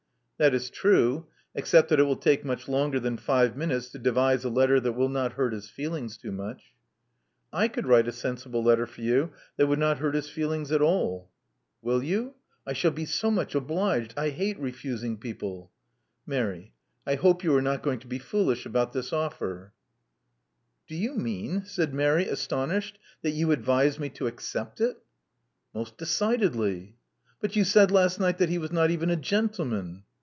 '*That is true. Except that it will take much longer than five minutes to devise a letter that will not hurt his feelings too much. ' I could write a sensible letter for you that would not hurt his feelings at all. " Will you? I shall be so much obliged. I hate refusing people." Mary : I hope you are not going to be foolish about this offer." 302 Love Among the Artists *'Do you mean," said Mary, astonished, "that you advise me to accept it." Most decidedly." But you said last night that he was not even a gentleman."